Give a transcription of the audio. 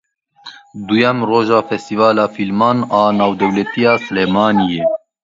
Duyem roja Festîvala Fîlman a Navdewletî ya Silêmaniyê.